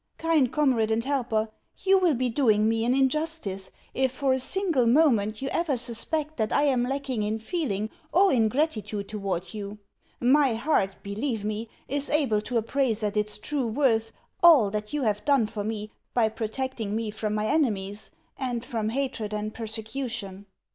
Kind comrade and helper, you will be doing me an injustice if for a single moment you ever suspect that I am lacking in feeling or in gratitude towards you. My heart, believe me, is able to appraise at its true worth all that you have done for me by protecting me from my enemies, and from hatred and persecution.